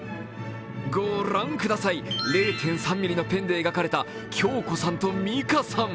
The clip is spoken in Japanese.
御覧ください、０．３ｍｍのペンで描かれた恭子さんと美香さん。